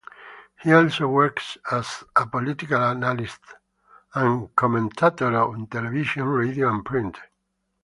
He also works as a political analyst and commentator on television, radio and print.